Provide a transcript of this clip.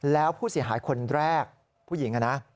แล้วผู้เสียหายคนแรกผู้หญิงนะ